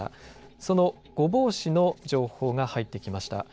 その御坊市の情報が入ってきました。